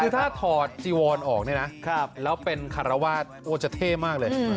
คือถ้าถอดจีวอนออกเนี่ยนะแล้วเป็นคารวาสโอ้จะเท่มากเลย